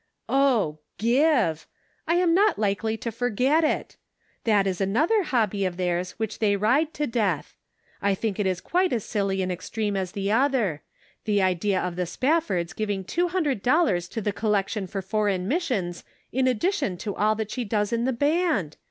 "Oh, give! I am not likely to forget it. That is another hobby of theirs which they ride to death. I think it is quite as silly an extreme as the other ; the idea of the Spaf fords giving two hundred dollars to the col lection for Foreign Missions in addition to all that she does in the Band